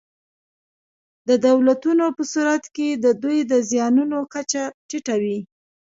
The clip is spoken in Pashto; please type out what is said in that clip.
د دولتونو په صورت کې د دوی د زیانونو کچه ټیټه وي.